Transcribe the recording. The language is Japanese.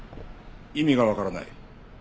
意味がわからない。